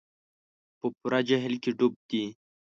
په پوره جهل کې ډوب دي.